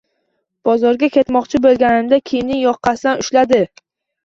Bozorga ketmoqchi boʻlganimda, kiyimning yoqasidan ushladi.